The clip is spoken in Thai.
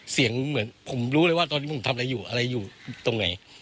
เสียงเหมือนผมรู้เลยว่าตอนนี้ผมทำอะไรอยู่อะไรอยู่ตรงไหน